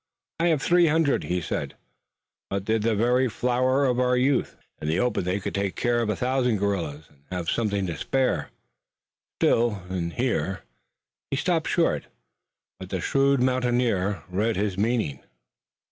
"I have three hundred," he said, "but they're the very flower of our youth. In the open they could take care of a thousand guerrillas and have something to spare. Still in here " He stopped short, but the shrewd mountaineer read his meaning.